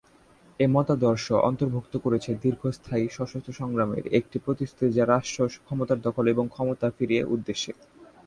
এই মতাদর্শ অন্তর্ভুক্ত করেছে "দীর্ঘস্থায়ী সশস্ত্র সংগ্রামের" একটি প্রতিশ্রুতি যা রাষ্ট্র ক্ষমতার দখল এবং ক্ষমতা ফিরিয়ে উদ্দেশ্যে।